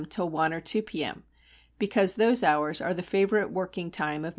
till one or two p.m., because those hours are the favourite working time of most insects.